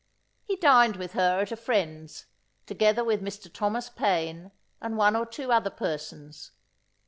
He dined with her at a friend's, together with Mr. Thomas Paine and one or two other persons.